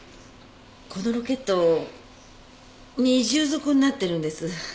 このロケット二重底になってるんです。